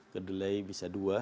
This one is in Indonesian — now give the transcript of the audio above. kedelai bisa dua